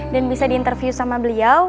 dan bisa di interview sama beliau